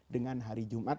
dengan hari jumat